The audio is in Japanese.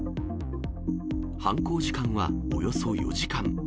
犯行時間はおよそ４時間。